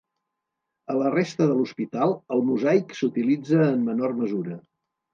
A la resta de l'hospital, el mosaic s'utilitza en menor mesura.